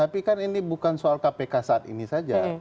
tapi kan ini bukan soal kpk saat ini saja